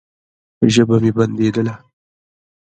ژبه مې بنديدله.